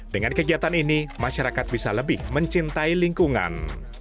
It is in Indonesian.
dengan kegiatan ini masyarakat bisa lebih mencintai lingkungan